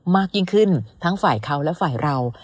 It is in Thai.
มากยิ่งขึ้นทั้งฝ่ายเขาและฝ่ายเรา